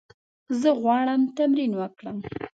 زه غواړم تمرین وکړم.